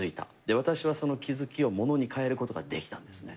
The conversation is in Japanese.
私はその気付きをものに変えることができたんですね。